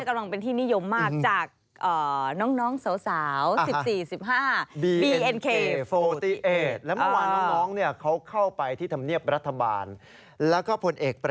กำลังเป็นที่นิยมมาก